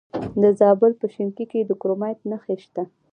د زابل په شینکۍ کې د کرومایټ نښې شته.